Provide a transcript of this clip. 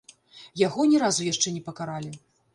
Яго ні разу яшчэ не пакаралі.